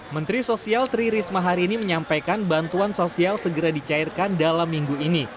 menteri sosial tri risma hari ini menyampaikan bantuan sosial segera dicairkan dalam minggu ini